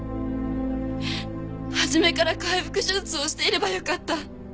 初めから開腹手術をしていれば良かった。